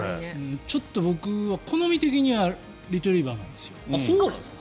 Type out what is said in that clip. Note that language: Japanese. ちょっと僕は好み的にはレトリバーなんです。